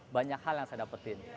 banyak hal yang saya dapetin